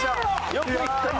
よくいった今！